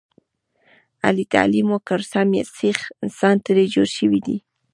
علي تعلیم وکړ سم سیخ انسان ترې جوړ شوی دی.